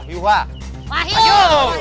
dia pun sendiri suruh